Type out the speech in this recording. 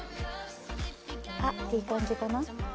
あっいい感じかな？